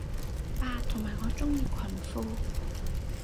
啊同埋我鍾意裙褲